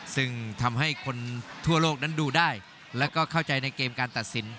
ซึ่งทำให้คนทั่วโลกนั้นดูได้แล้วก็เข้าใจในเกมการตัดสิน